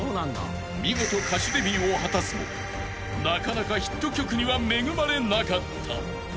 ［見事歌手デビューを果たすもなかなかヒット曲には恵まれなかった］